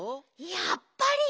やっぱり。